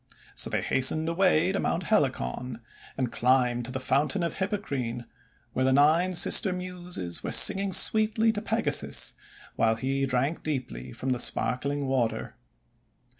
So they hastened away to Mount Helicon, and climbed to the Fountain of Hippocrene, where the Nine Sister Muses were singing sweetly to Pegasus, while he drank deeply from the spark ling water.